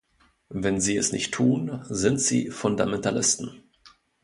Wenn sie es nicht tun, sind sie Fundamentalisten.